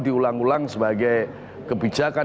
diulang ulang sebagai kebijakan